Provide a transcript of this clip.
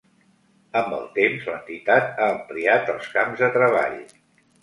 Amb el temps, l'entitat ha ampliat els camps de treball.